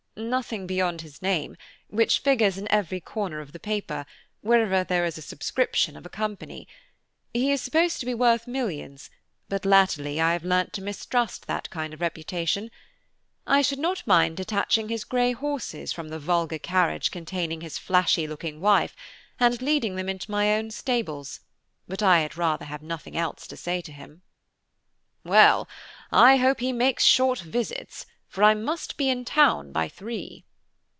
"Nothing beyond his name, which figures in every corner of the paper, wherever there is a subscription of a company. He is supposed to be worth millions, but latterly I have learnt to mistrust that kind of reputation. I should not mind detaching his grey horses from the vulgar carriage containing his flashy looking wife, and leading them into my own stables; but I had rather have nothing else to say to him." "Well, I hope he makes short visits, for I must be in town by three."